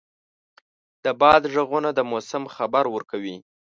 د باد ږغونه د موسم خبر ورکوي.